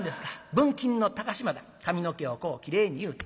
文金の高島田髪の毛をこうきれいに結うて。